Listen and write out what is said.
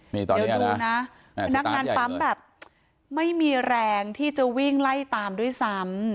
เดี๋ยวดูนะพนักงานปั๊มแบบไม่มีแรงที่จะวิ่งไล่ตามด้วยซ้ำ